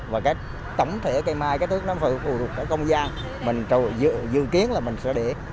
và tổng thể cây mai nó phải phù hợp với công gian dự kiến là mình sẽ để